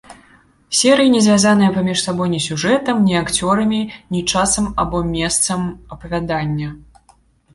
Серыі не звязаныя паміж сабой ні сюжэтам, ні акцёрамі, ні часам або месцам апавядання.